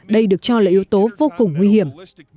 đây được cho là yếu tố vô cùng nguy hiểm